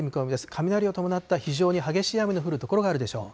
雷を伴った非常に激しい雨の降る所があるでしょう。